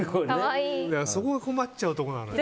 そこが困っちゃうところなんだよ。